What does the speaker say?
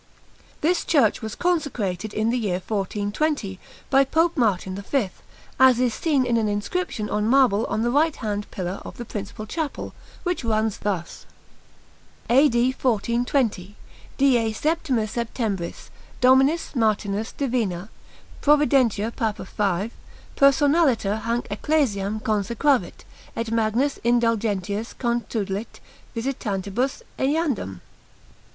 This church was consecrated in the year 1420, by Pope Martin V, as is seen in an inscription on marble on the righthand pillar of the principal chapel, which runs thus: A.D. 1420. DIE SEPTIMA SEPTEMBRIS, DOMINUS MARTINUS DIVINA PROVIDENTIA PAPA V. PERSONALITER HANC ECCLESIAM CONSECRAVIT, ET MAGNAS INDULGENTIAS CONTULIT VISITANTIBUS EANDEM.